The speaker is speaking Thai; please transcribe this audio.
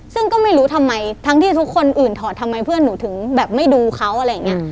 ซึ่งก็ไม่รู้ทำไมทั้งที่ทุกคนอื่นถอดทำไมเพื่อนหนูถึงแบบไม่ดูเขาอะไรอย่างนี้